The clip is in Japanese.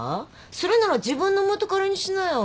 するなら自分の元カレにしなよ。